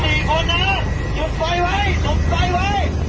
ให้ปาไปให้ฟ้ายไว้เลยเหียบ